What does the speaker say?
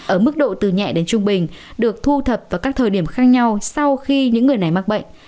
ở mức độ từ nhẹ đến trung bình được thu thập vào các thời điểm khác nhau sau khi những người này mắc bệnh